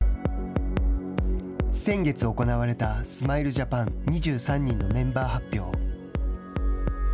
先月行われたスマイルジャパン２３人のメンバー発表。